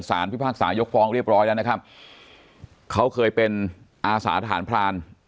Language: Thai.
พิพากษายกฟ้องเรียบร้อยแล้วนะครับเขาเคยเป็นอาสาทหารพราน